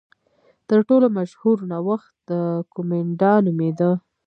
تر ټولو مشهور نوښت کومېنډا نومېده.